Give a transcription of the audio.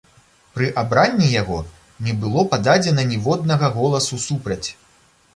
Пры абранні яго не было пададзена ніводнага голасу супраць.